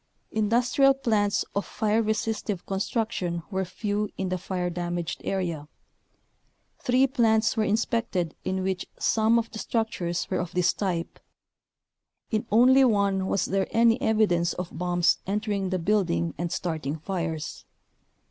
Industrial plants of fire resistive construc tion were few in the fire damaged area. Three plants were inspected in which some of the structures were of this type. In only one was there any evidence of bombs entering the build ing and starting fires.